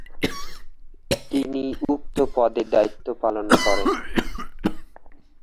তিনি উক্ত পদে দায়িত্ব পালন করেন।